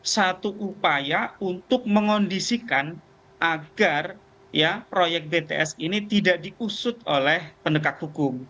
satu upaya untuk mengondisikan agar proyek bts ini tidak diusut oleh pendekat hukum